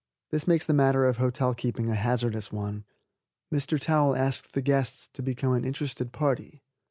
This makes the matter of hotel keeping a hazardous one. Mr. Towel asks the guests to become an interested party.